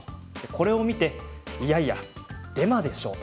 これを見ていやいやデマでしょう。